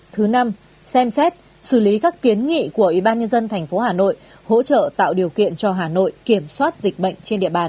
thứ năm xem xét xử lý các kiến nghị của ybnd tp hà nội hỗ trợ tạo điều kiện cho hà nội kiểm soát dịch bệnh trên địa bàn